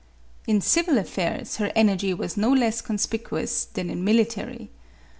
In civil affairs, her energy was no less conspicuous than in military.